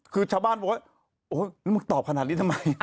คือชาวบ้านตอบขนาดนี้ทำไม